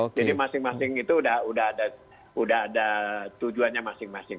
jadi masing masing itu udah ada tujuannya masing masing